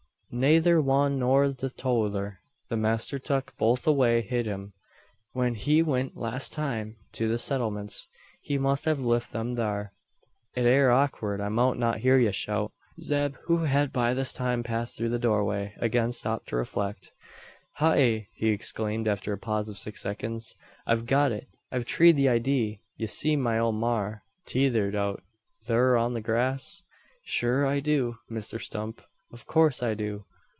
"Nayther wan nor the tother. The masther tuk both away wid him, when he went last time to the sittlements. He must have lift them thare." "It air awk'ard. I mout not heer yur shout." Zeb, who had by this time passed through the doorway, again stopped to reflect. "Heigh!" he exclaimed, after a pause of six seconds. "I've got it. I've treed the eydee. Ye see my ole maar, tethered out thur on the grass?" "Shure I do, Misther Stump. Av coorse I do."